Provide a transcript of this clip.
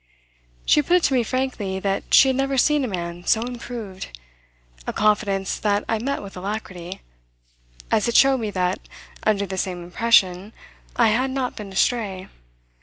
She put it to me frankly that she had never seen a man so improved: a confidence that I met with alacrity, as it showed me that, under the same impression, I had not been astray.